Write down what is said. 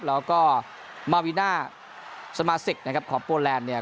แล้วก็มาวิน่าสมาชิกนะครับของโปแลนด์เนี่ย